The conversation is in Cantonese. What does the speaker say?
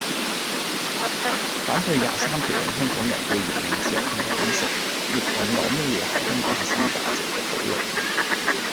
反對廿三條令香港人對言論自由更加珍惜，亦引來乜嘢係香港核心價值嘅討論